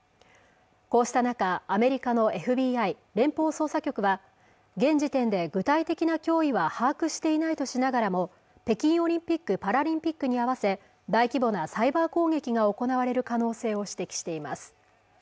こうした中アメリカのＦＢＩ＝連邦捜査局は現時点で具体的な脅威は把握していないとしながらも北京オリンピック・パラリンピックに合わせ大規模なサイバー攻撃が行われる可能性を指摘しています